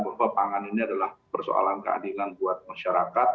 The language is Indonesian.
bahwa pangan ini adalah persoalan keadilan buat masyarakat